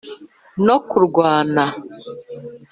no kurwana,